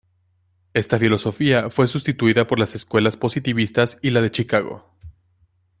Esta filosofía fue sustituida por las Escuelas positivista y la de Chicago.